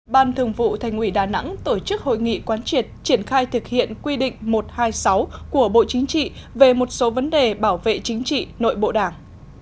ban thường vụ thành ủy đà nẵng tổ chức hội nghị quán triệt triển khai thực hiện quy định một trăm hai mươi sáu của bộ chính trị về một số vấn đề bảo vệ chính trị nội bộ đảng